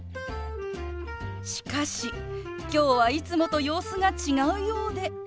しかし今日はいつもと様子が違うようで。